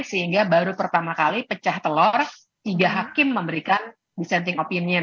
sehingga baru pertama kali pecah telur tiga hakim memberikan dissenting opinion